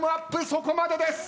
そこまでです。